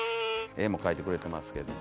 絵も描いてくれてますけども。